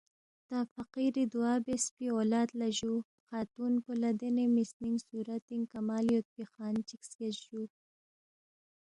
تا فقیری دُعا بیاسفی اولاد لہ جُو، خاتُون پو لہ دینے مِسنِنگ صُورتِنگ کمال یودپی خان چِک سکیس جُو